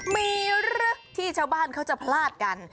มีลึกที่ชาวบ้านเขาจะพลาดกัน